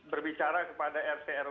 berbicara kepada rcrw